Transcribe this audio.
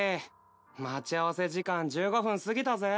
待ち合わせ時間１５分過ぎたぜ。